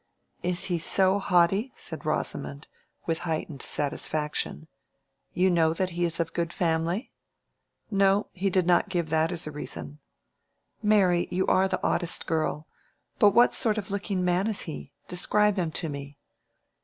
"Is he so haughty?" said Rosamond, with heightened satisfaction. "You know that he is of good family?" "No; he did not give that as a reason." "Mary! you are the oddest girl. But what sort of looking man is he? Describe him to me."